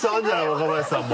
若林さんも。